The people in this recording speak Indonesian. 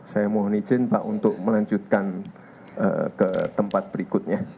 saya mohon izin pak untuk melanjutkan ke tempat berikutnya